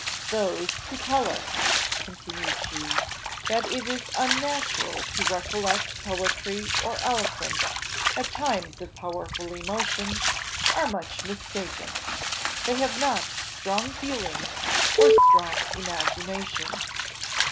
"Those who tell us," continued she, "that it is unnatural to recollect poetry or eloquence at times of powerful emotion, are much mistaken; they have not strong feelings or strong imaginations.